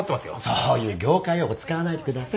そういう業界用語使わないでください。